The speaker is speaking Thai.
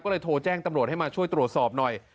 ก็เลยโทรแจ้งตำรวจให้มาช่วยตรวจสอบหน่อย